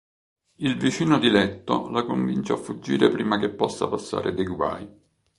Il vicino di letto la convince a fuggire prima che possa passare dei guai.